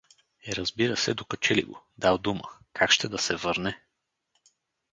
Е, разбира се, докачили го, дал дума, как ще да се върне?